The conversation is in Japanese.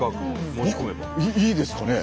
僕いいですかね？